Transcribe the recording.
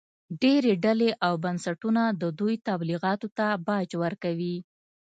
ډېرې ډلې او بنسټونه د دوی تبلیغاتو ته باج ورکوي